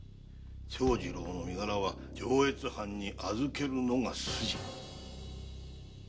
長次郎の身柄は上越藩に預けるのが筋。